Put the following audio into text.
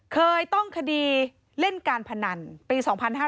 เคยต้องคดีเล่นการพนันปี๒๕๕๙